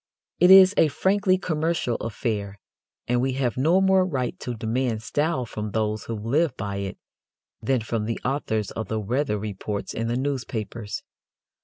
It is a frankly commercial affair, and we have no more right to demand style from those who live by it than from the authors of the weather reports in the newspapers.